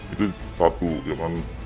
itu satu ya kan